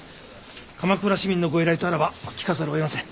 鎌倉市民のご依頼とあらば聞かざるを得ません。